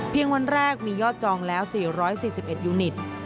วันแรกมียอดจองแล้ว๔๔๑ยูนิต